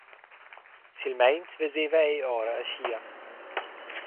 Silmeins veseva ei ora schia.